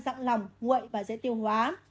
dặn lòng nguội và dễ tiêu hóa